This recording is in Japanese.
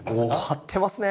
張ってますね。